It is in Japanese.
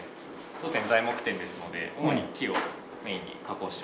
当店材木店ですので主に木をメインに加工しております。